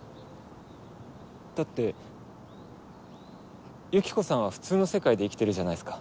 だってユキコさんは普通の世界で生きてるじゃないっすか。